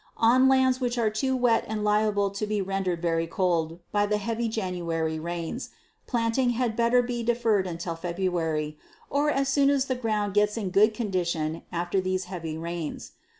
On lands which are too wet and liable to be rendered very cold by the heavy January rains, planting had better be deferred until February, or as soon as the ground gets in good condition after these heavy rains.